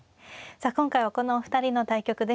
さあ今回はこのお二人の対局です。